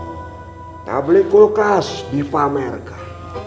kita beli kulkas dipamerkan